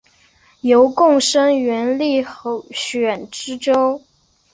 由贡生援例候选知州。